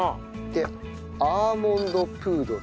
アーモンドプードル。